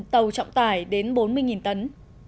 tàu trọng tải đến bốn mươi tấn